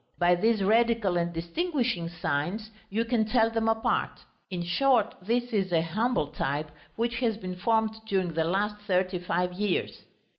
By these radical and distinguishing signs you can tell them apart; in short, this is a humble type which has been formed during the last thirty five years.